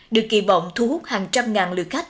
được kỳ vọng thu hút hàng trăm ngàn lượt khách